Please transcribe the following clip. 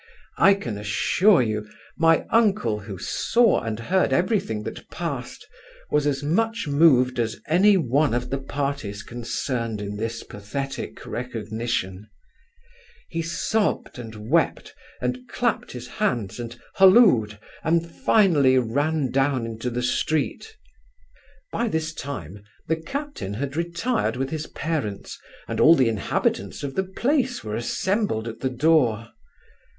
I can assure you, my uncle, who saw and heard every thing that passed, was as much moved as any one of the parties concerned in this pathetic recognition He sobbed, and wept, and clapped his hands, and hollowed, and finally ran down into the street. By this time, the captain had retired with his parents, and all the inhabitants of the place were assembled at the door.